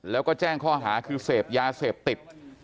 แล้วก็แจ้งข้อหาคือเสพยาเสพติด